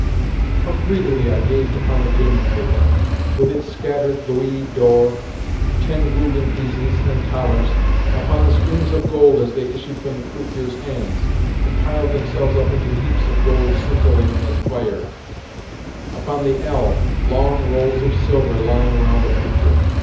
How greedily I gazed upon the gaming table, with its scattered louis d'or, ten gülden pieces, and thalers; upon the streams of gold as they issued from the croupier's hands, and piled themselves up into heaps of gold scintillating as fire; upon the ell—long rolls of silver lying around the croupier.